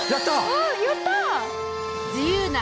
ああやった！